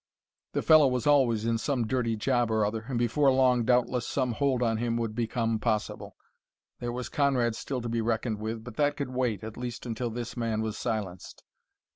The fellow was always in some dirty job or other, and before long doubtless some hold on him would become possible. There was Conrad still to be reckoned with but that could wait, at least until this man was silenced.